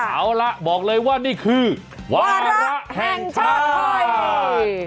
เอาล่ะบอกเลยว่านี่คือวาระแห่งชาติไทย